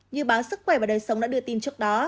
như báo sức khỏe và đời sống đã đưa tin trước đó